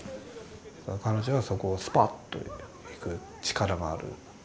彼女はそこをスパッといく力がある。